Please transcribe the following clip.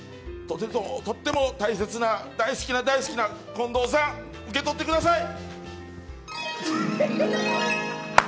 とっても大切な大好きな大好きな近藤さん受け取ってください。